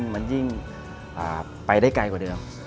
มันยิ่งไปได้ไกลกว่าเดิม